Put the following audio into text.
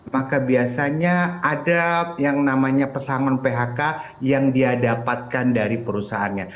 maka biasanya ada yang namanya pesangon phk yang dia dapatkan dari perusahaannya